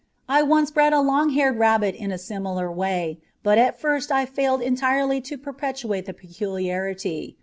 I once bred a long haired rabbit in a similar way, but at first I failed entirely to perpetuate the peculiarity.